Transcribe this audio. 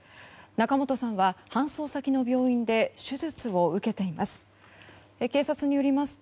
仲本さんは搬送先の病院で手術を受けています。